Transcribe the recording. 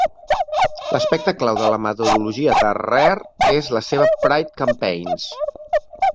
L'aspecte clau de la metodologia de Rare és la seva "Pride Campaign's".